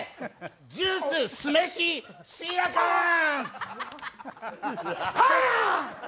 ジュース、すめし、シーラカーンス！